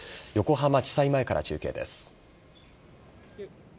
横浜地裁前から中継です。